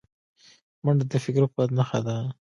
منډه د فکري قوت نښه ده